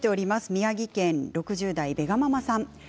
宮城県の６０代の方からです。